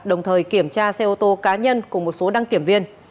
đồng thời kiểm tra xe ô tô cá nhân cùng một số đăng kiểm viên